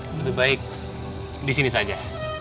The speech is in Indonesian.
lebih baik disini saja